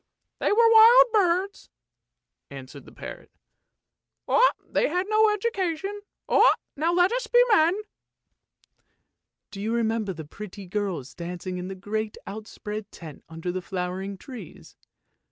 " They were wild birds," answered the parrot; " they had no education. Now let us be men! "" Do you remember the pretty girls dancing in the great outspread tent under the flowering trees?